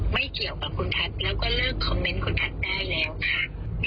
ไม่เกี่ยวกับคุณแพทย์แล้วก็เลิกคอมเมนต์คุณแพทย์ได้แล้วค่ะ